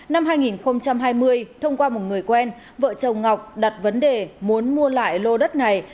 năm hai nghìn hai mươi thông qua một người quen vợ chồng ngọc đặt vấn đề muốn mua lại lô đất này